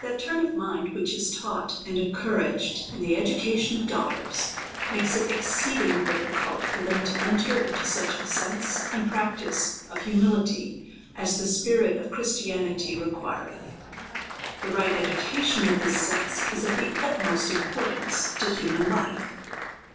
THAT turn of mind, which is taug ht and encou raged in the education of daughters, makes it exceed ing difficult for them to enter into such a sense and practice of humihty, as the spirit of Christianity re quireth. The right education of this sex is of the utmost im portance to human life.